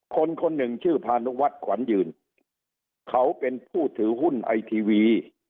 คนคนหนึ่งชื่อพานุวัฒน์ขวัญยืนเขาเป็นผู้ถือหุ้นไอทีวี